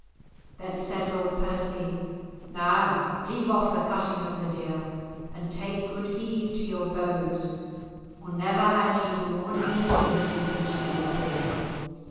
Then said Lord Percy: "Now leave off the cutting of the deer, and take good heed to your bows, for never had ye more need of them since ye were born."